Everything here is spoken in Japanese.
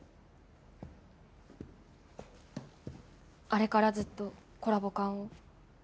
あれからずっとコラボ缶を？